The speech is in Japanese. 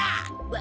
わ